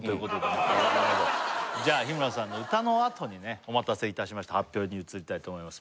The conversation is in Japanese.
なるほどじゃあ日村さんの歌のあとにねお待たせいたしました発表に移りたいと思います